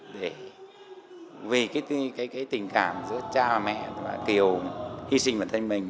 để vì cái tình cảm giữa cha mẹ và kiều hy sinh bản thân mình